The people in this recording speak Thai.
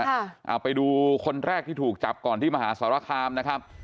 เอาไปดูคนแรกที่ถูกจับก่อนที่มหาสารคามนะครับ